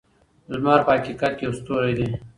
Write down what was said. لمر په حقیقت کې یو ستوری دی.